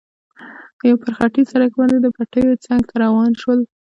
پر خټین سړک باندې د پټیو څنګ ته روان شول.